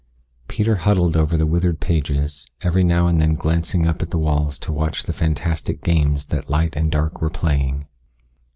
Peter huddled over the withered pages, every now and then glancing up at the walls to watch the fantastic games that light and dark were playing.